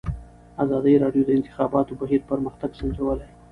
ازادي راډیو د د انتخاباتو بهیر پرمختګ سنجولی.